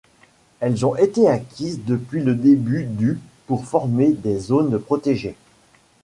Elles ont été acquises depuis le début du pour former des zones protégées.